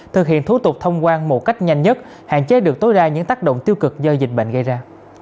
thực hiện thủ tục thông quan một cách nhanh nhất hạn chế được tối đa những tác động tiêu cực do dịch bệnh gây ra